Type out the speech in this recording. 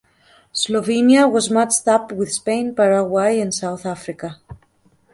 Slovenia was matched up with Spain, Paraguay and South Africa.